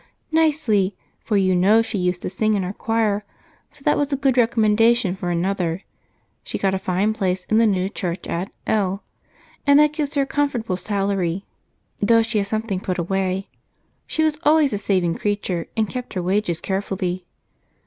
"Nicely, for you know she used to sing in our choir, so that was a good recommendation for another. She got a fine place in the new church at L , and that gives her a comfortable salary, though she has something put away. She was always a saving creature and kept her wages carefully.